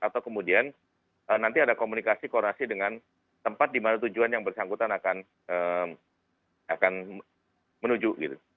atau kemudian nanti ada komunikasi koordinasi dengan tempat di mana tujuan yang bersangkutan akan menuju gitu